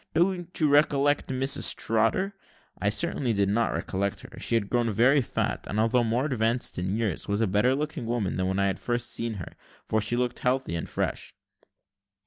don't you recollect Mrs Trotter?" I certainly did not recollect her; she had grown very fat, and, although more advanced in years, was a better looking woman than when I had first seen her, for she looked healthy and fresh.